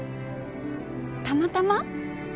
たまたま？